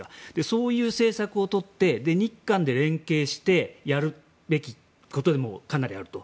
そういう政策を取って日韓で連携してやるべきこともかなりあると。